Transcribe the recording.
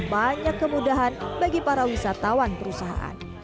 banyak kemudahan bagi para wisatawan perusahaan